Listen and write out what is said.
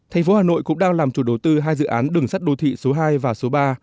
thành phố hà nội cũng đang làm chủ đầu tư hai dự án đường sắt đô thị số hai và số ba